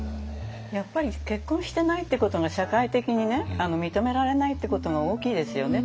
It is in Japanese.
やっぱり結婚してないってことが社会的に認められないってことが大きいですよね。